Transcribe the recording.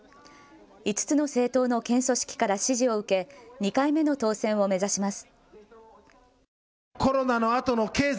５つの政党の県組織から支持を受け、２回目の当選を目指します。